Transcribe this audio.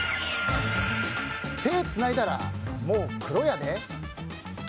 「手ぇつないだらもう黒やで」。